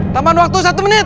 tambahan waktu satu menit